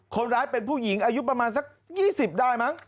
คนร้ายเป็นผู้หญิงอายุประมาณสัก๒๐ได้มั้ง